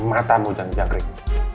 matamu jangan jangkrik